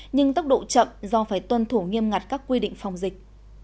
nhưng tốc độ chậm do phải tuân thủ nghiêm ngặt các quy định phòng dịch